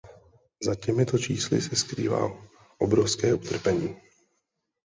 Za těmito čísly se skrývá obrovské utrpení.